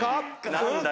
何だ？